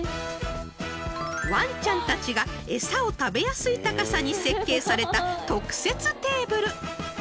［ワンちゃんたちが餌を食べやすい高さに設計された特設テーブル］